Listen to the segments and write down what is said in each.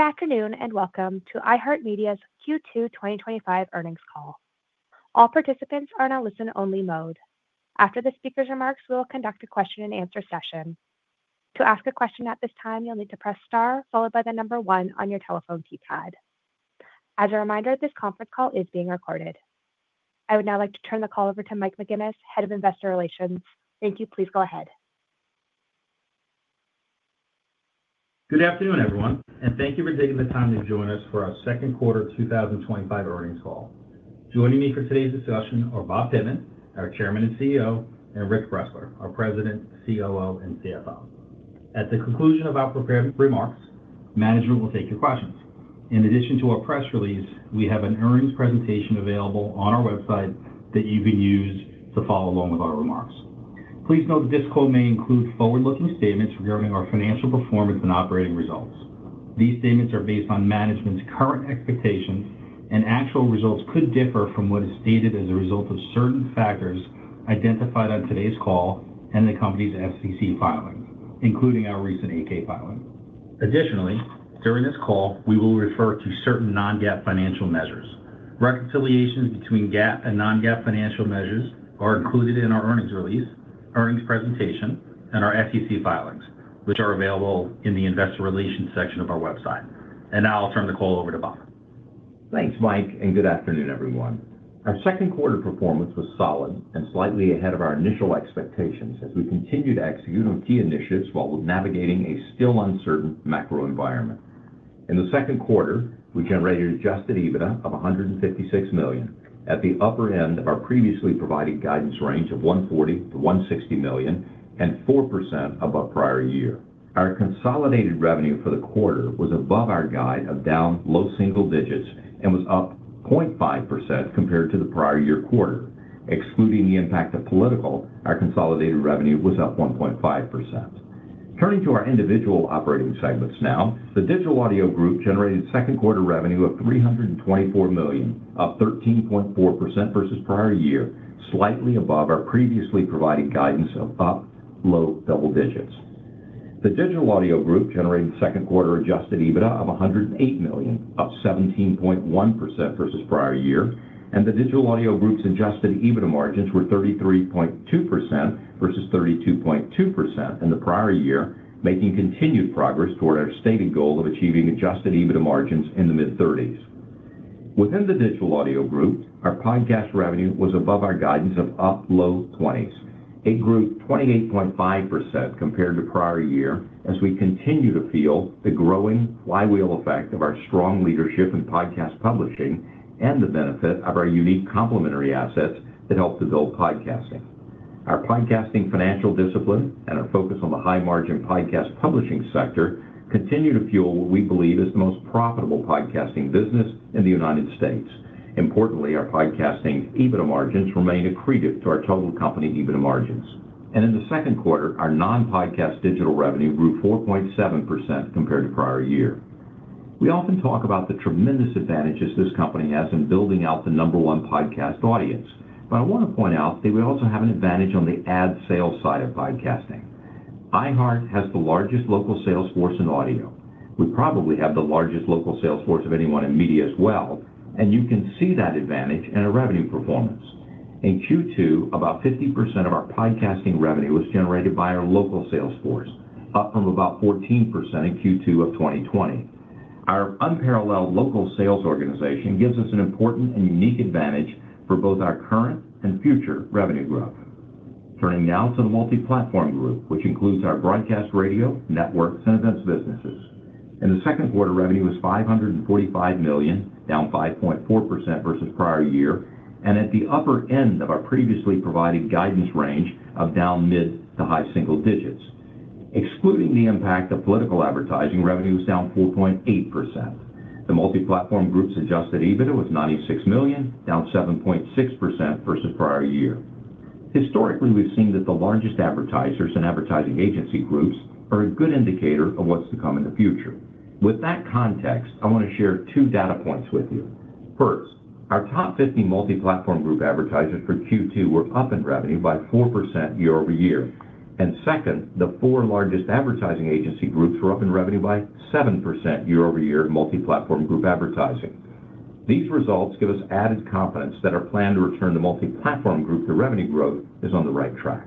Good afternoon and welcome to iHeartMedia's Q2 2025 Earnings Call. All participants are in a listen-only mode. After the speaker's remarks, we will conduct a question-and-answer session. To ask a question at this time, you'll need to press star, followed by the number one on your telephone keypad. As a reminder, this conference call is being recorded. I would now like to turn the call over to Mike McGuinness, Head of Investor Relations. Thank you. Please go ahead. Good afternoon, everyone, and thank you for taking the time to join us for our second quarter 2025 earnings call. Joining me for today's discussion are Bob Pittman, our Chairman and CEO, and Rich Bressler, our President, COO, and CFO. At the conclusion of our prepared remarks, management will take your questions. In addition to our press release, we have an earnings presentation available on our website that you can use to follow along with our remarks. Please note that this call may include forward-looking statements regarding our financial performance and operating results. These statements are based on management's current expectations, and actual results could differ from what is stated as a result of certain factors identified on today's call and the company's FCC filing, including our recent 8K filing. Additionally, during this call, we will refer to certain non-GAAP financial measures. Reconciliations between GAAP and non-GAAP financial measures are included in our earnings release, earnings presentation, and our FCC filings, which are available in the investor relations section of our website. Now I'll turn the call over to Bob. Thanks, Mike, and good afternoon, everyone. Our second quarter performance was solid and slightly ahead of our initial expectations as we continue to execute on key initiatives while navigating a still uncertain macro-economic environment. In the second quarter, we generated adjusted EBITDA of $156 million at the upper end of our previously provided guidance range of $140 million-$160 million and 4% above prior year. Our consolidated revenue for the quarter was above our guide of down low single digits and was up 0.5% compared to the prior year quarter. Excluding the impact of political, our consolidated revenue was up 1.5%. Turning to our individual operating segments now, the Digital Audio Group generated second quarter revenue of $324 million, up 13.4% versus prior year, slightly above our previously provided guidance of up low double digits. The Digital Audio Group generated second quarter adjusted EBITDA of $108 million, up 17.1% versus prior year, and the Digital Audio Group's adjusted EBITDA margins were 33.2% versus 32.2% in the prior year, making continued progress toward our stated goal of achieving adjusted EBITDA margins in the mid-30s. Within the Digital Audio Group, our podcast revenue was above our guidance of up low 20s, up 28.5% compared to prior year, as we continue to feel the growing flywheel effect of our strong leadership in podcast publishing and the benefit of our unique complementary assets that help to build podcasting. Our podcasting financial discipline and our focus on the high-margin podcast publishing sector continue to fuel what we believe is the most profitable podcasting business in the United States. Importantly, our podcasting's EBITDA margins remain accretive to our total company EBITDA margins. In the second quarter, our non-podcast digital revenue grew 4.7% compared to prior year. We often talk about the tremendous advantages this company has in building out the number one podcast audience, but I want to point out that we also have an advantage on the ad sales side of podcasting. iHeart has the largest local sales force in audio. We probably have the largest local sales force of anyone in media as well, and you can see that advantage in our revenue performance. In Q2, about 50% of our podcasting revenue was generated by our local sales force, up from about 14% in Q2 of 2020. Our unparalleled local sales organization gives us an important and unique advantage for both our current and future revenue growth. Turning now to the Multi-Platform Group, which includes our broadcast radio, networks, and events businesses. In the second quarter, revenue was $545 million, down 5.4% versus prior year, and at the upper end of our previously provided guidance range of down mid to high single digits. Excluding the impact of political advertising, revenue was down 4.8%. The Multi-Platform Group's adjusted EBITDA was $96 million, down 7.6% versus prior year. Historically, we've seen that the largest advertisers and advertising agency groups are a good indicator of what's to come in the future. With that context, I want to share two data points with you. First, our top 50 Multi-Platform Group advertisers for Q2 were up in revenue by 4% year-over-year. Second, the four largest advertising agency groups were up in revenue by 7% year-over-year in Multi-Platform Group advertising. These results give us added confidence that our plan to return the Multi-Platform Group to revenue growth is on the right track.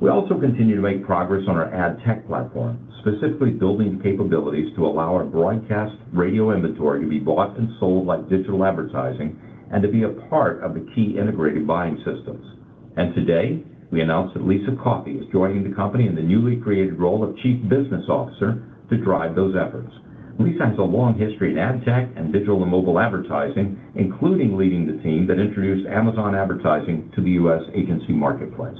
We also continue to make progress on our ad tech platform, specifically building the capabilities to allow our broadcast radio inventory to be bought and sold like digital advertising and to be a part of the key integrated buying systems. Today, we announced that Lisa Coffey is joining the company in the newly created role of Chief Business Officer to drive those efforts. Lisa has a long history in ad tech and digital and mobile advertising, including leading the team that introduced Amazon Advertising to the U.S. agency marketplace.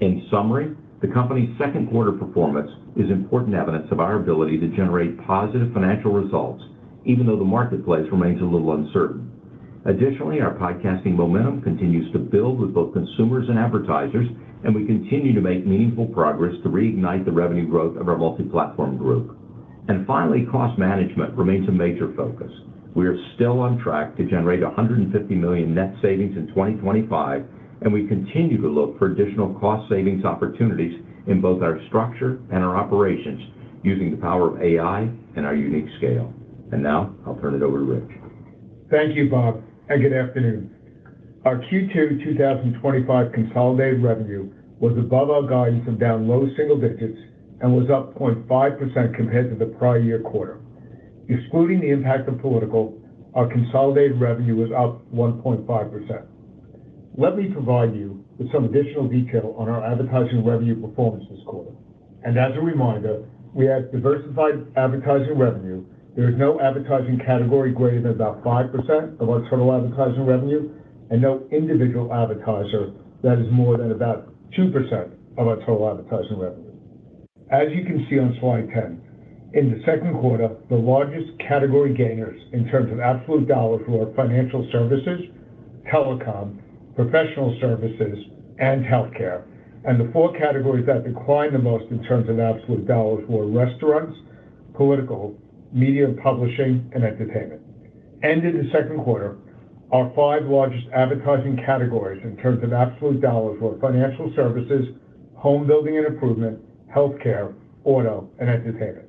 In summary, the company's second quarter performance is important evidence of our ability to generate positive financial results, even though the marketplace remains a little uncertain. Additionally, our podcasting momentum continues to build with both consumers and advertisers, and we continue to make meaningful progress to reignite the revenue growth of our Multi-Platform Group. Finally, cost management remains a major focus. We are still on track to generate $150 million net savings in 2025, and we continue to look for additional cost savings opportunities in both our structure and our operations using the power of AI and our unique scale. Now, I'll turn it over to Rich. Thank you, Bob, and good afternoon. Our Q2 2025 consolidated revenue was above our guidance of down low single digits and was up 0.5% compared to the prior year quarter. Excluding the impact of political, our consolidated revenue was up 1.5%. Let me provide you with some additional detail on our advertising revenue performance this quarter. As a reminder, we have diversified advertising revenue. There is no advertising category greater than about 5% of our total advertising revenue and no individual advertiser that is more than about 2% of our total advertising revenue. As you can see on slide 10, in the second quarter, the largest category gainers in terms of absolute dollars were financial services, telecom, professional services, and healthcare. The four categories that declined the most in terms of absolute dollars were restaurants, political, media and publishing, and entertainment. At the end of the second quarter, our five largest advertising categories in terms of absolute dollars were financial services, home building and improvement, healthcare, auto, and entertainment.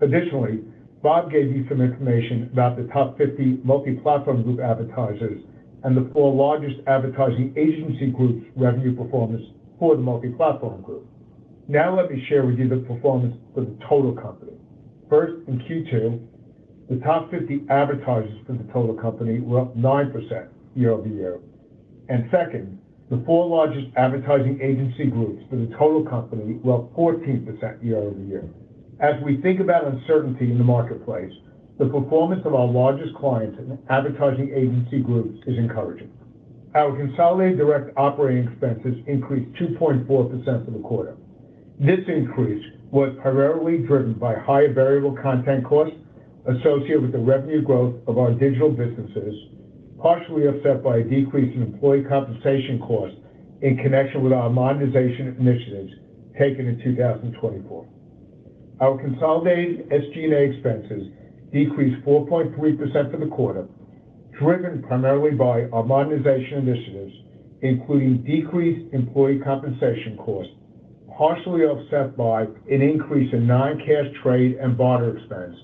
Additionally, Bob gave you some information about the top 50 multi-platform group advertisers and the four largest advertising agency groups' revenue performance for the multi-platform group. Now let me share with you the performance for the total company. First, in Q2, the top 50 advertisers for the total company were up 9% year-over-year. Second, the four largest advertising agency groups for the total company were up 14% year-over-year. As we think about uncertainty in the marketplace, the performance of our largest clients and advertising agency groups is encouraging. Our consolidated direct operating expenses increased 2.4% for the quarter. This increase was primarily driven by higher variable content costs associated with the revenue growth of our digital businesses, partially offset by a decrease in employee compensation costs in connection with our modernization initiatives taken in 2024. Our consolidated SG&A expenses decreased 4.3% for the quarter, driven primarily by our modernization initiatives, including decreased employee compensation costs, partially offset by an increase in non-cash trade and barter expense,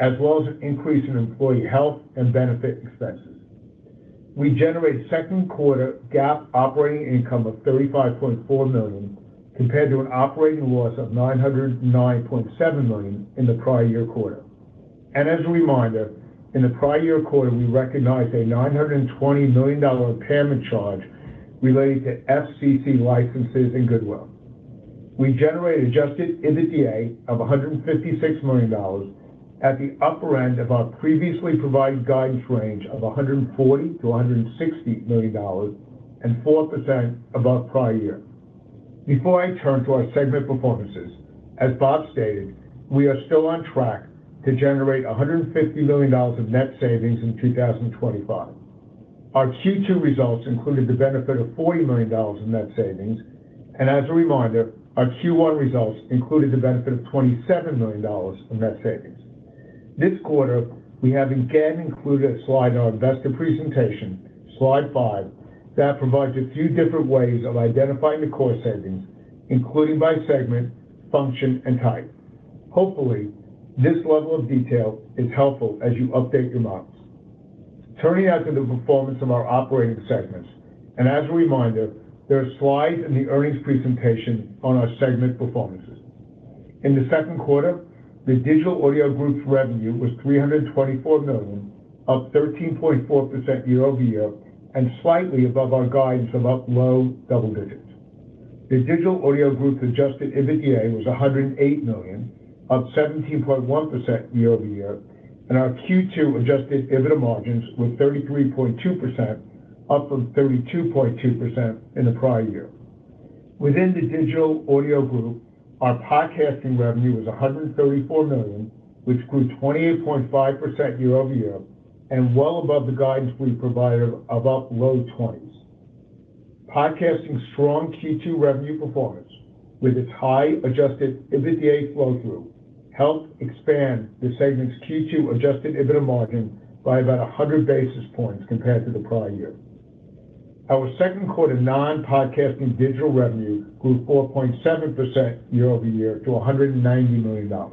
as well as an increase in employee health and benefit expenses. We generated second quarter GAAP operating income of $35.4 million compared to an operating loss of $909.7 million in the prior year quarter. As a reminder, in the prior year quarter, we recognized a $920 million impairment charge related to FCC licenses and goodwill. We generated adjusted EBITDA of $156 million at the upper end of our previously provided guidance range of $140 million-$160 million and 4% above prior year. Before I turn to our segment performances, as Bob stated, we are still on track to generate $150 million of net savings in 2025. Our Q2 results included the benefit of $40 million in net savings, and as a reminder, our Q1 results included the benefit of $27 million in net savings. This quarter, we have again included a slide in our investor presentation, slide five, that provides a few different ways of identifying the core savings, including by segment, function, and type. Hopefully, this level of detail is helpful as you update your models. Turning now to the performance of our operating segments, there are slides in the earnings presentation on our segment performances. In the second quarter, the Digital Audio Group's revenue was $324 million, up 13.4% year-over-year, and slightly above our guidance of up low double digits. The Digital Audio Group's adjusted EBITDA was $108 million, up 17.1% year-over-year, and our Q2 adjusted EBITDA margins were 33.2%, up from 32.2% in the prior year. Within the Digital Audio Group, our podcasting revenue was $134 million, which grew 28.5% year-over-year and well above the guidance we provided of up low 20s. Podcasting's strong Q2 revenue performance, with its high adjusted EBITDA flow-through, helped expand the segment's Q2 adjusted EBITDA margin by about 100 basis points compared to the prior year. Our second quarter non-podcasting digital revenue grew 4.7% year-over-year to $190 million.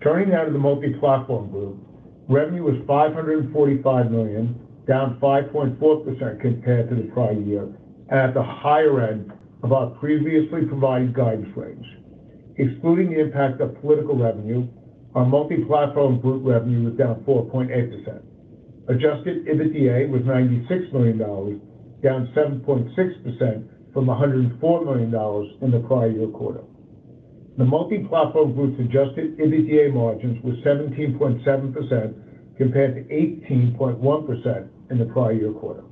Turning now to the Multi-Platform Group, revenue was $545 million, down 5.4% compared to the prior year, at the higher end of our previously provided guidance range. Excluding the impact of political revenue, our Multi-Platform Group revenue was down 4.8%. Adjusted EBITDA was $96 million, down 7.6% from $104 million in the prior year quarter. The Multi-Platform Group's adjusted EBITDA margins were 17.7% compared to 18.1% in the prior year quarter.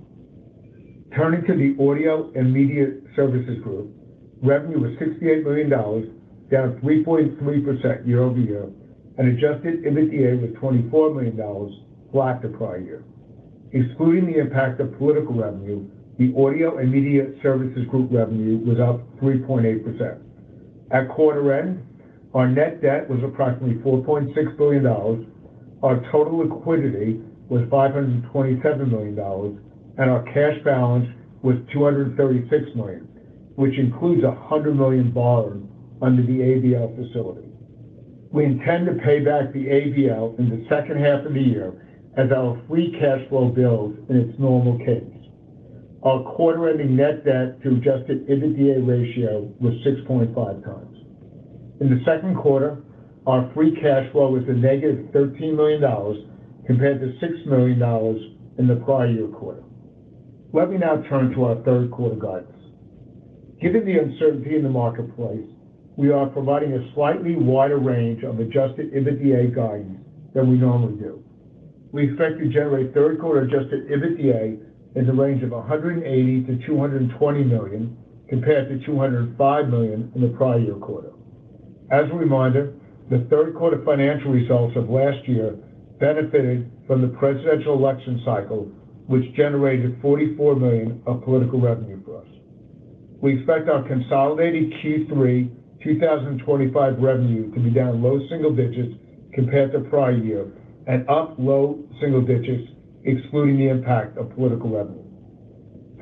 Turning to the Audio and Media Services Group, revenue was $68 million, down 3.3% year-over-year, and adjusted EBITDA was $24 million, flat the prior year. Excluding the impact of political revenue, the Audio and Media Services Group revenue was up 3.8%. At quarter end, our net debt was approximately $4.6 billion. Our total liquidity was $527 million, and our cash balance was $236 million, which includes a $100 million borrowing under the AVL facility. We intend to pay back the AVL in the second half of the year as our free cash flow builds in its normal cadence. Our quarter-ending net debt to adjusted EBITDA ratio was 6.5x. In the second quarter, our free cash flow was a negative $13 million compared to $6 million in the prior year quarter. Let me now turn to our third quarter guidance. Given the uncertainty in the marketplace, we are providing a slightly wider range of adjusted EBITDA guidance than we normally do. We expect to generate third quarter adjusted EBITDA in the range of $180 million-$220 million compared to $205 million in the prior year quarter. As a reminder, the third quarter financial results of last year benefited from the presidential election cycle, which generated $44 million of political revenue for us. We expect our consolidated Q3 2025 revenue to be down low single digits compared to prior year and up low single digits, excluding the impact of political revenue.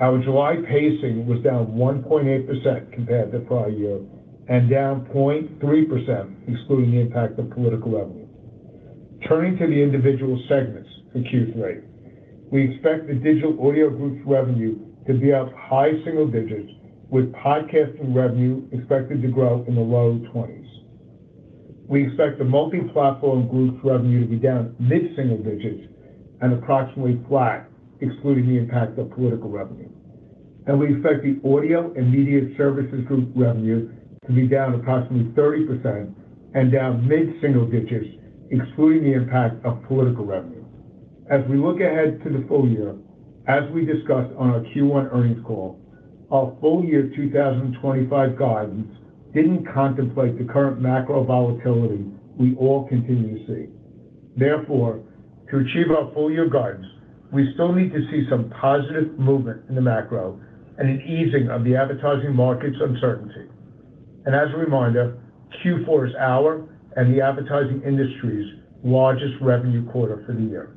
Our July pacing was down 1.8% compared to prior year and down 0.3%, excluding the impact of political revenue. Turning to the individual segments in Q3, we expect the Digital Audio Group's revenue to be up high single digits, with podcasting revenue expected to grow in the low 20s. We expect the Multi-Platform Group's revenue to be down mid-single digits and approximately flat, excluding the impact of political revenue. We expect the Audio and Media Services Group revenue to be down approximately 30% and down mid-single digits, excluding the impact of political revenue. As we look ahead to the full year, as we discussed on our Q1 earnings call, our full year 2025 guidance didn't contemplate the current macro volatility we all continue to see. Therefore, to achieve our full year guidance, we still need to see some positive movement in the macro and an easing of the advertising market's uncertainty. As a reminder, Q4 is our and the advertising industry's largest revenue quarter for the year.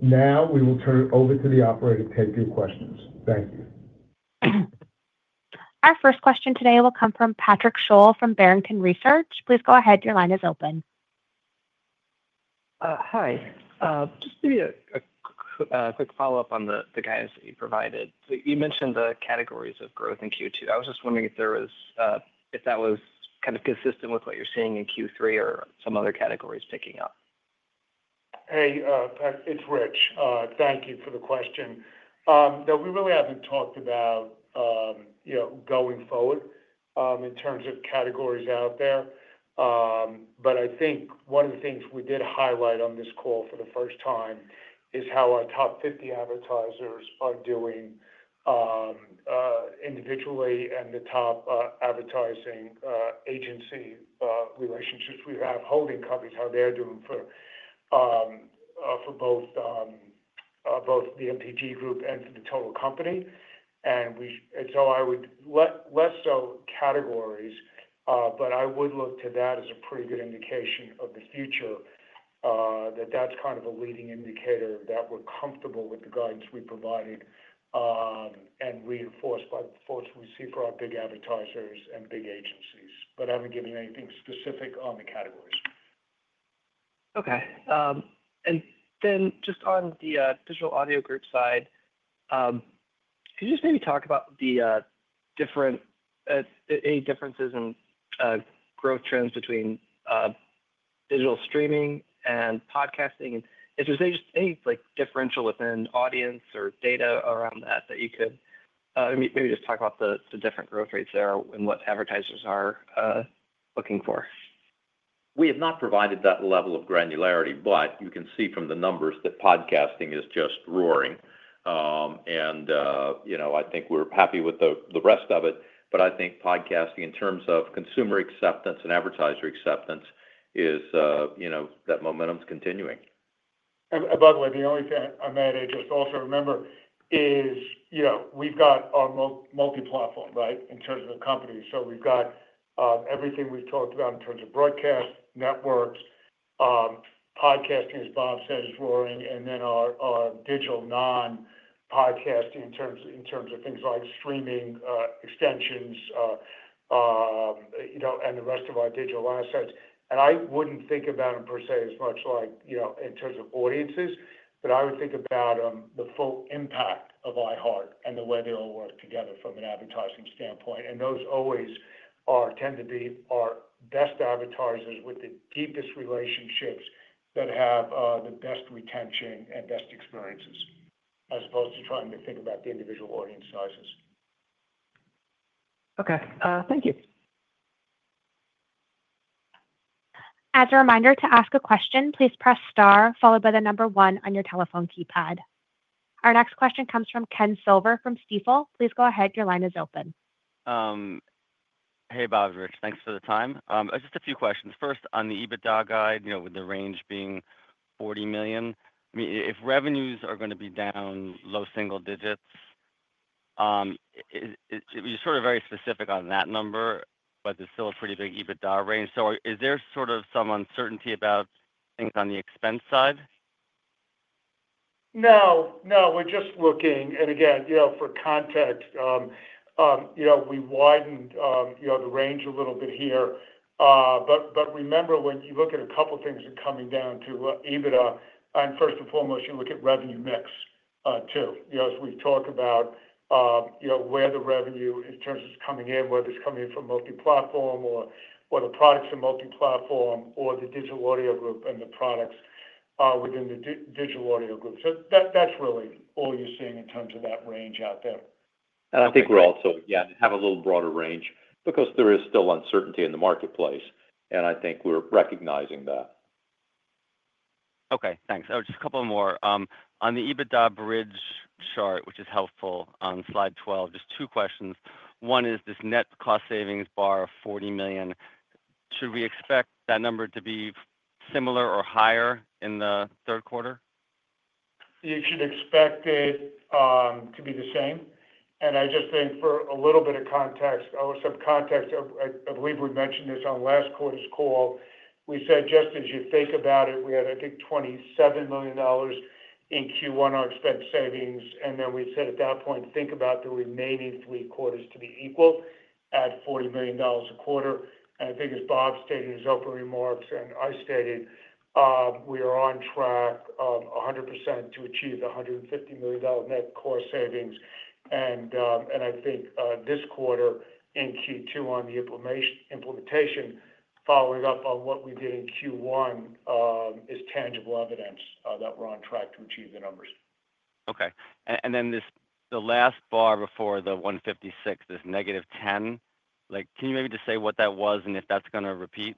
Now we will turn it over to the operator to take your questions. Thank you. Our first question today will come from Patrick Sholl from Barrington Research. Please go ahead. Your line is open. Hi. Just maybe a quick follow-up on the guidance that you provided. You mentioned the categories of growth in Q2. I was just wondering if that was kind of consistent with what you're seeing in Q3 or some other categories picking up. Hey, Pat, it's Rich. Thank you for the question. No, we really haven't talked about, you know, going forward in terms of categories out there. I think one of the things we did highlight on this call for the first time is how our top 50 advertisers are doing individually and the top advertising agency relationships we have, holding companies, how they're doing for both the MPT group and the total company. I would less so categories, but I would look to that as a pretty good indication of the future, that that's kind of a leading indicator that we're comfortable with the guidance we provided and reinforced by the reports we see for our big advertisers and big agencies. I haven't given anything specific on the categories. Okay. On the Digital Audio Group side, could you just maybe talk about the different, any differences in growth trends between digital streaming and podcasting? If there's any differential within audience or data around that, could you maybe just talk about the different growth rates there and what advertisers are looking for. We have not provided that level of granularity, but you can see from the numbers that podcasting is just roaring. You know, I think we're happy with the rest of it. I think podcasting in terms of consumer acceptance and advertiser acceptance is, you know, that momentum's continuing. The only thing I might add to also remember is, you know, we've got our multi-platform, right, in terms of the company. We've got everything we've talked about in terms of broadcast, networks, podcasting, as Bob said, is roaring, and then our digital non-podcasting in terms of things like streaming, extensions, you know, and the rest of our digital assets. I wouldn't think about them per se as much like, you know, in terms of audiences, but I would think about the full impact of iHeart and the way they all work together from an advertising standpoint. Those always tend to be our best advertisers with the deepest relationships that have the best retention and best experiences, as opposed to trying to think about the individual audience sizes. Okay, thank you. As a reminder, to ask a question, please press star followed by the number one on your telephone keypad. Our next question comes from Ken Silver from Stifel. Please go ahead. Your line is open. Hey, Bob, Rich. Thanks for the time. Just a few questions. First, on the EBITDA guide, with the range being $40 million, I mean, if revenues are going to be down low single digits, you're sort of very specific on that number, but there's still a pretty big EBITDA range. Is there some uncertainty about things on the expense side? We're just looking. For context, we widened the range a little bit here. Remember, when you look at a couple of things that are coming down to EBITDA, and first and foremost, you look at revenue mix, too. As we've talked about, where the revenue in terms of coming in, whether it's coming in from multi-platform or whether products are multi-platform or the Digital Audio Group and the products within the Digital Audio Group. That's really all you're seeing in terms of that range out there. I think we're also, yeah, have a little broader range because there is still uncertainty in the marketplace. I think we're recognizing that. Okay. Thanks. Just a couple more. On the EBITDA bridge chart, which is helpful, on slide 12, just two questions. One is this net cost savings bar of $40 million. Should we expect that number to be similar or higher in the third quarter? You should expect it to be the same. For a little bit of context, I believe we mentioned this on last quarter's call. We said, just as you think about it, we had, I think, $27 million in Q1 expense savings. We said at that point, think about the remaining three quarters to be equal at $40 million a quarter. As Bob stated in his opening remarks and I stated, we are on track, 100% to achieve the $150 million net core savings. This quarter in Q2 on the implementation, following up on what we did in Q1, is tangible evidence that we're on track to achieve the numbers. Okay. This, the last bar before the 156, this negative 10, can you maybe just say what that was and if that's going to repeat?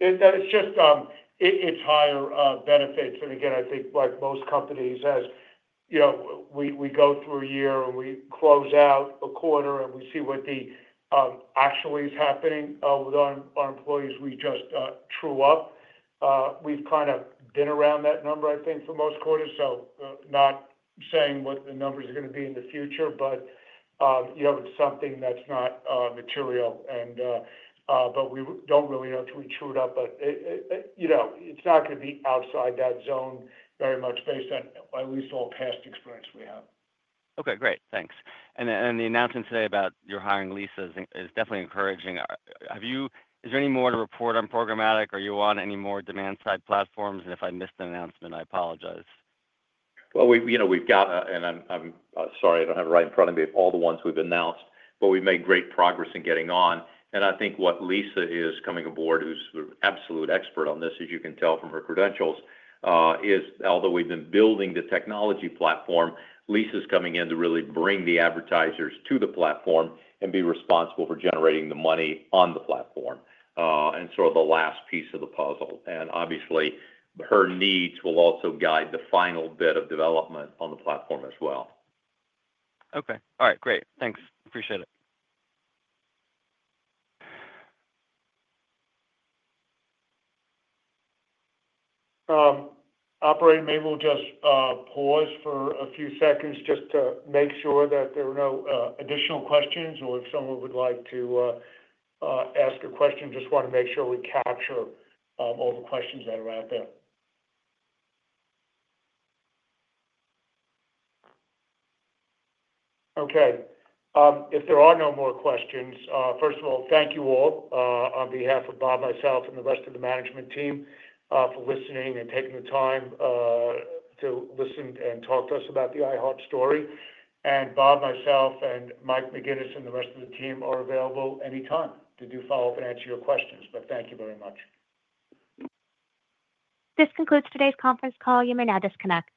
It's just, it's higher, benefits. I think like most companies, as you know, we go through a year and we close out a quarter and we see what actually is happening with our employees, we just true up. We've kind of been around that number, I think, for most quarters. Not saying what the numbers are going to be in the future, but, you know, it's something that's not material. We don't really know until we true it up. You know, it's not going to be outside that zone very much based on at least all past experience we have. Great. Thanks. The announcement today about your hiring Lisa is definitely encouraging. Have you, is there any more to report on programmatic? Are you on any more demand-side platforms? If I missed an announcement, I apologize. We have got a, and I'm sorry, I don't have it right in front of me, of all the ones we've announced, but we've made great progress in getting on. I think what Lisa is coming aboard, who's the absolute expert on this, as you can tell from her credentials, is although we've been building the technology platform, Lisa's coming in to really bring the advertisers to the platform and be responsible for generating the money on the platform, and sort of the last piece of the puzzle. Obviously, her needs will also guide the final bit of development on the platform as well. Okay. All right. Great. Thanks. Appreciate it. Operator, maybe we'll just pause for a few seconds just to make sure that there are no additional questions, or if someone would like to ask a question, just want to make sure we capture all the questions that are out there. Okay. If there are no more questions, first of all, thank you all, on behalf of Bob, myself, and the rest of the management team, for listening and taking the time to listen and talk to us about the iHeart story. Bob, myself, Mike McGuinness, and the rest of the team are available anytime to do follow-up and answer your questions. Thank you very much. This concludes today's conference call. You may now disconnect.